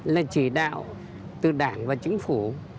là chỉ đạo từ đảng và chính phủ